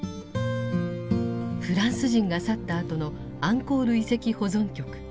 フランス人が去ったあとのアンコール遺跡保存局。